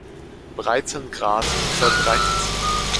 Breitengrad verbreitet.